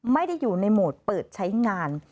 ไม่ได้อยู่ในโหมดเปิดใช้งาน